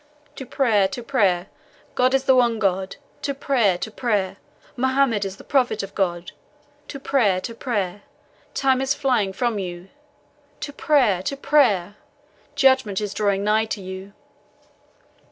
"To prayer to prayer! God is the one God. To prayer to prayer! Mohammed is the Prophet of God. To prayer to prayer! Time is flying from you. To prayer to prayer! Judgment is drawing nigh to you."